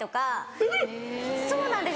・へぇ・そうなんです